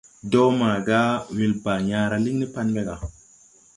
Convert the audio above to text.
Dɔɔ maaga wel Baa yãã raa liŋ ni Pan ɓɛ ga.